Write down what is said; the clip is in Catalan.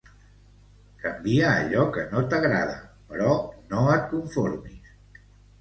Canvia allò que no t'agrada, però no et conformis!